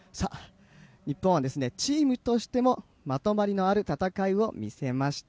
日本はチームとしてもまとまりのある戦いを見せました。